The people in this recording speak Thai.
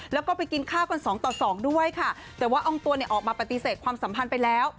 แล้วก็ไปกินข้าวกันสองต่อสองด้วยค่ะแต่ว่าอองตัวเนี่ยออกมาปฏิเสธความสัมพันธ์ไปแล้ว